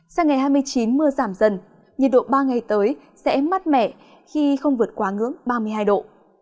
sang ngày hai mươi chín mưa giảm dần nhiệt độ ba ngày tới sẽ mát mẻ khi không vượt quá ngưỡng ba mươi hai độ